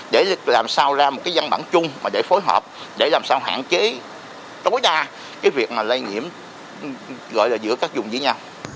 để làm sao ra một cái dân bản chung để phối hợp để làm sao hạn chế đối đa cái việc mà lây nhiễm gọi là giữa các dùng dưới nhau